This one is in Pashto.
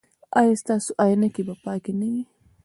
ایا ستاسو عینکې به پاکې نه وي؟